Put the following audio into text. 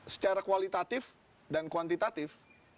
secara kualitatif dan kuantitatif